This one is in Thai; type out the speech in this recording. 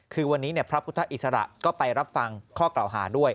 คือวันนี้พระพุทธอิสระก็ไปรับฟังข้อกล่าวหาด้วย